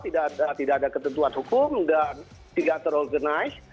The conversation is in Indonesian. tidak ada ketentuan hukum dan tidak terorganize